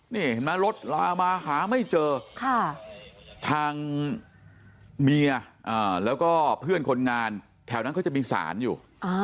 นี่เห็นไหมรถลามาหาไม่เจอทางเมียแล้วก็เพื่อนคนงานแถวนั้นเขาจะมีสารอยู่